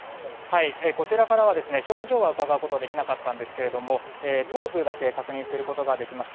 こちらから表情はうかがうことはできなかったんですが頭部だけ確認することができました。